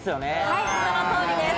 はいそのとおりです。